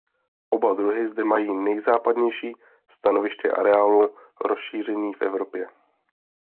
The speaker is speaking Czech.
Oba druhy zde mají nejzápadnější stanoviště areálu rozšíření v Evropě.